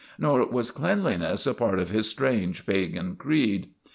Nor was cleanliness a part of his strange, pagan creed.